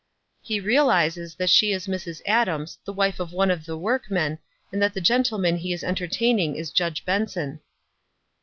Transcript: "He realizes that she is Mrs. Adams, the wife of one of the workmen, and that the gen tleman he is entertaining is Judge Benson."